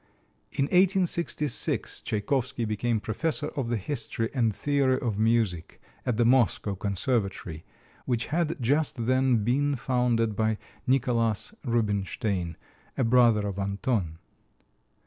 In 1866 Tchaikovsky became professor of the history and theory of music at the Moscow Conservatory, which had just then been founded by Nicholas Rubinstein, a brother of Anton.